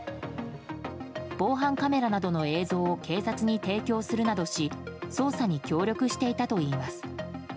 防犯カメラなどの映像を警察に提供するなどし捜査に協力していたといいます。